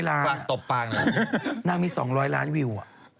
อ้าว